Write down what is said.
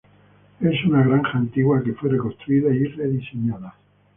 Es una granja antigua que fue reconstruida y rediseñada.